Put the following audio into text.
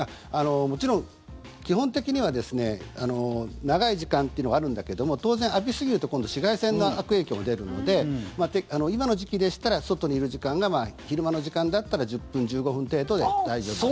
もちろん基本的には長い時間というのはあるんだけど当然浴びすぎると今度、紫外線の悪影響が出るので今の時期でしたら外にいる時間が昼間の時間だったら１０分、１５分程度で大丈夫です。